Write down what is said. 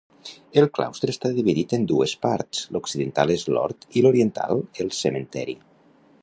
El claustre està dividit en dues parts: l'occidental és l'hort i l'oriental, el cementeri.